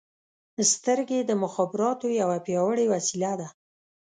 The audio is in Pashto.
• سترګې د مخابراتو یوه پیاوړې وسیله ده.